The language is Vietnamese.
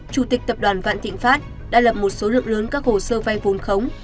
chủ tịch tập đoàn vạn thịnh pháp đã lập một số lượng lớn các hồ sơ vay vốn khống